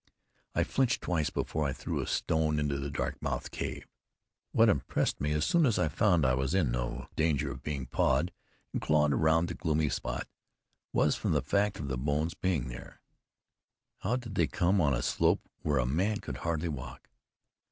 I flinched twice before I threw a stone into the dark mouthed cave. What impressed me as soon as I found I was in no danger of being pawed and clawed round the gloomy spot, was the fact of the bones being there. How did they come on a slope where a man could hardly walk?